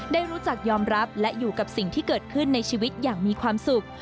ได้รู้จักยอมรับและอยู่กับสิ่งที่เกิดขึ้นในชีวิตอย่างมีความสุข